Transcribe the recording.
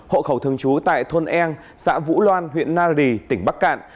hộ khẩu thường trú tại thôn eng xã vũ loan huyện nari tỉnh bắc cạn